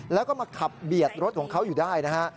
แล้วก็มาขับเบียดรถของเขาอยู่ได้นะฮะ